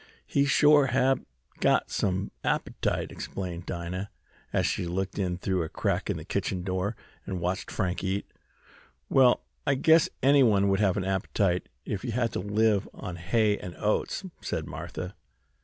"He shore hab got some appetite!" exclaimed Dinah, as she looked in through a crack in the kitchen door, and watched Frank eat. "Well, I guess anyone would have an appetite if they had to live on hay and oats," said Martha.